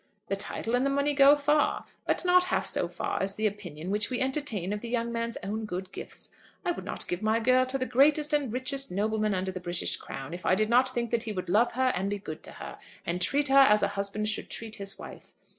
The title and the money go far, but not half so far as the opinion which we entertain of the young man's own good gifts. I would not give my girl to the greatest and richest nobleman under the British Crown, if I did not think that he would love her and be good to her, and treat her as a husband should treat his wife.